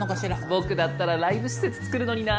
僕だったらライブ施設造るのにな！